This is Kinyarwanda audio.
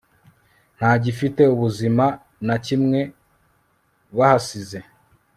nta gifite ubuzima na kimwe bahasize